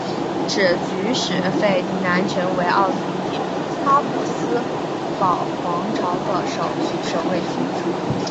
此举使费迪南成为了奥地利哈布斯堡皇朝的首位君主。